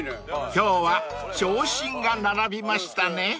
［今日は長身が並びましたね］